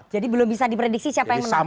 jadi belum bisa di prediksi siapa yang menang